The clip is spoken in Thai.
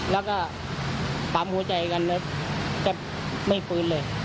แล้วก็ปั๊มหัวใจกันแล้วจะไม่ฟื้นเลย